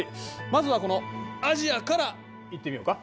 まずはこのアジアからいってみようか。